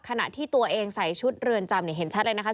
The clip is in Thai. ขณะที่ตัวเองใส่ชุดเรือนจำเห็นชัดเลยนะคะ